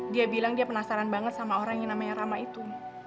dia bilang dia penasaran banget sama orang yang namanya rama itu